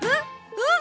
うわっ！